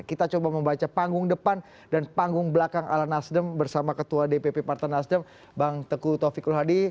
kita coba membaca panggung depan dan panggung belakang ala nasdem bersama ketua dpp partai nasdem bang teguh taufikul hadi